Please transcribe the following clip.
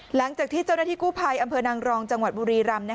หลังจากที่เจ้าหน้าที่กู้ภัยอำเภอนางรองจังหวัดบุรีรำ